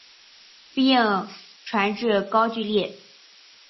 并传至高句丽。